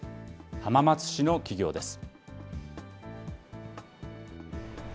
浜松市の企業です。